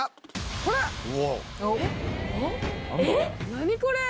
何これ！